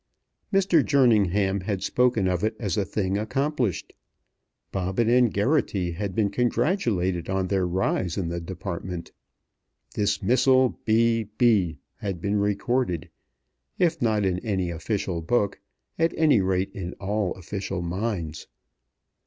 Mr. Jerningham had spoken of it as a thing accomplished. Bobbin and Geraghty had been congratulated on their rise in the department. "Dismissal B. B." had been recorded, if not in any official book, at any rate in all official minds.